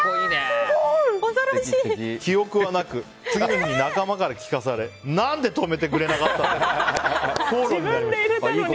記憶がなく、次の日に仲間から聞かされ何で止めてくれなかったんだと口論になりました。